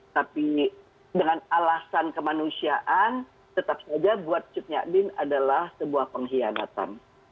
tapi dengan alasan kemanusiaan tetap saja buat cut nyadin adalah sebuah pengkhianatan